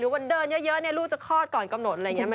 วันเดินเยอะลูกจะคลอดก่อนกำหนดอะไรอย่างนี้